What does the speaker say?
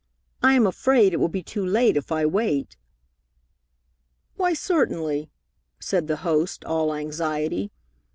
I am afraid it will be too late if I wait." "Why, certainly," said the host, all anxiety.